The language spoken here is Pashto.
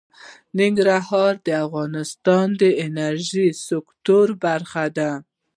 ننګرهار د افغانستان د انرژۍ سکتور برخه ده.